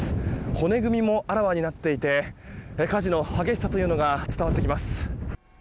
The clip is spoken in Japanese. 骨組みもあらわになっていて火事の激しさというのが伝わってきます。